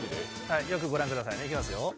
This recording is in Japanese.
よく御覧くださいね、いきますよ。